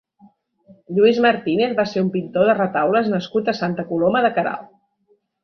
Lluís Martínez va ser un pintor de retaules nascut a Santa Coloma de Queralt.